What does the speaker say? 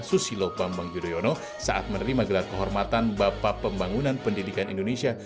susilo bambang yudhoyono saat menerima gelar kehormatan bapak pembangunan pendidikan indonesia